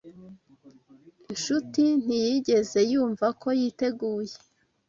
Nshuti ntiyigeze yumva ko yiteguye.